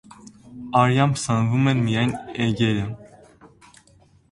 Արյամբ սնվում են միայն էգերը։